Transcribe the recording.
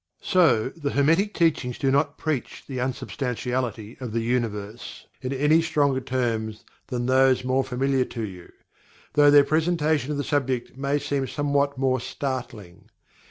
So, the Hermetic Teachings do not preach the unsubstantiality of the Universe in any stronger terms than those more familiar to you, although their presentation of the subject may seem somewhat more startling.